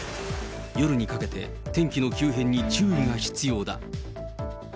夜にかけて、天気の急変に注意が必要だ。